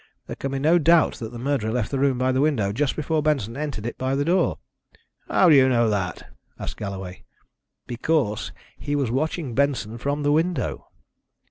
There can be no doubt that the murderer left the room by the window just before Benson entered it by the door." "How do you know that?" asked Galloway. "_Because he was watching Benson from the window.